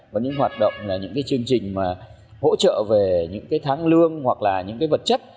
và những hoạt động là những chương trình hỗ trợ về những tháng lương hoặc là những vật chất